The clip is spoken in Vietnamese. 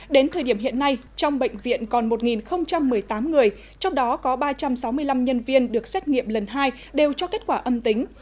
đến thời điểm hiện nay trong bệnh viện còn một một mươi tám người trong đó có ba trăm sáu mươi năm nhân viên được xét nghiệm lần hai đều cho kết quả âm tính